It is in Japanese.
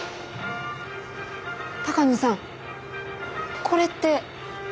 鷹野さんこれって。